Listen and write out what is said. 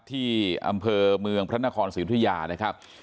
ที่อำเภอเมืองพระนครศรีอุทยานะครับ